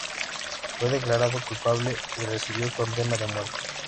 Fue declarado culpable y recibió condena de muerte.